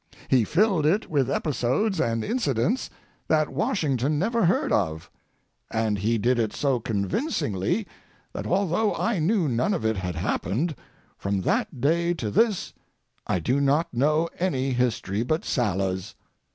He filled it with episodes and incidents that Washington never heard of, and he did it so convincingly that although I knew none of it had happened, from that day to this I do not know any history but Sala's.